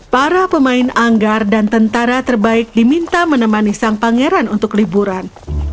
para pemain anggar dan tentara terbaik diminta menemani sang pangeran untuk liburan